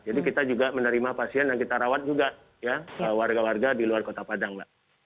jadi kita juga menerima pasien yang kita rawat juga ya warga warga di luar kota padang mbak